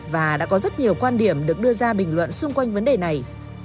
và đã có rất nhiều quan điểm được đưa ra bình luận xung quanh vấn đề này